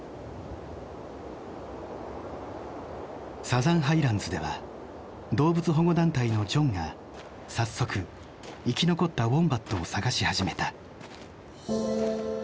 サザン・ハイランズでは動物保護団体のジョンが早速生き残ったウォンバットを探し始めた。